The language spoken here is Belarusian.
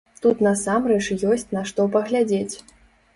Тут насамрэч ёсць на што паглядзець.